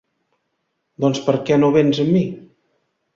Doncs per què no véns amb mi?